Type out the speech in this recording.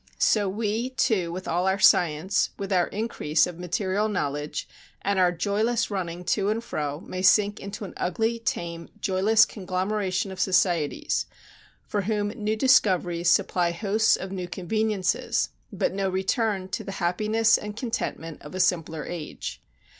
So we, too, with all our science, with our increase of material knowledge and our joyless running to and fro may sink into an ugly, tame, joyless conglomeration of societies, for whom new discoveries supply hosts of new conveniences, but no return to the happiness and contentment of a simpler age....